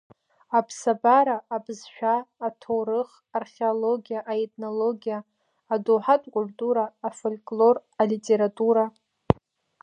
Аԥсабара, абызшәа, аҭоурых, археологиа, аетнологиа, адоуҳатә культура, афольклор, алитература…